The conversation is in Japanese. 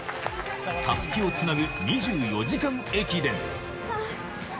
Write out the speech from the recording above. たすきをつなぐ２４時間駅伝。